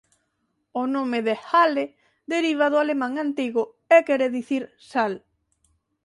O nome de Halle deriva do alemán antigo e quere dicir "sal".